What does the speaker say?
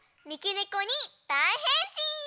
ねこにだいへんしん！